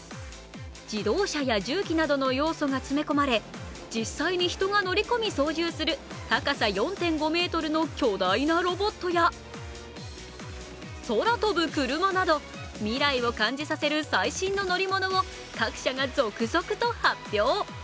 自動車や重機などの要素が盛り込まれ実際に人が乗り込み操縦する高さ４．５ｍの巨大なロボットや空飛ぶクルマなど未来を感じさせる最新の乗り物を各社が続々と発表。